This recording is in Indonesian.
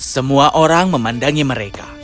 semua orang memandangi mereka